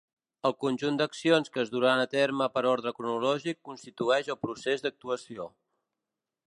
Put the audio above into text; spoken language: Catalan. El conjunt d'accions que es duran a terme per ordre cronològic constitueix el procés d'actuació.